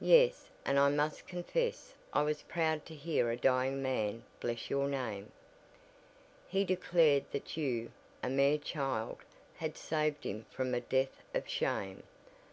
"Yes, and I must confess I was proud to hear a dying man bless your name. He declared that you, a mere child, had saved him from a death of shame.